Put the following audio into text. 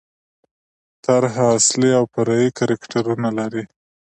طرحه اصلي او فرعي کرکټرونه لري.